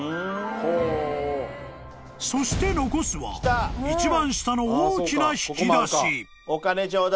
［そして残すは一番下の大きな引き出し］